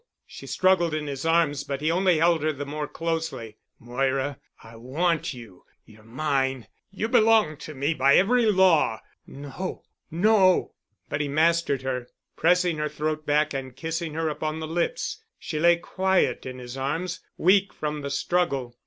She struggled in his arms, but he only held her the more closely. "Moira. I want you. You're mine. You belong to me by every law——" "No—no." But he mastered her, pressing her throat back and kissing her upon the lips. She lay quiet in his arms, weak from the struggle.